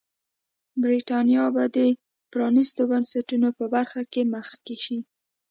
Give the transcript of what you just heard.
برېټانیا به د پرانیستو بنسټونو په برخه کې مخکې شي.